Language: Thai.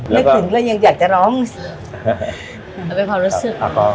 แล้วก็นึกถึงแล้วยังอยากจะร้องเอาไปพอรู้สึกอ่าก็